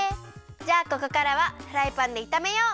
じゃあここからはフライパンでいためよう！